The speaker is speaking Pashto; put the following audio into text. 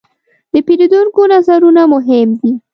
د پیرودونکو نظرونه مهم دي.